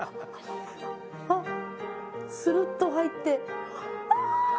あっするっと入ってあ！